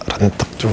rentak juga nih tulang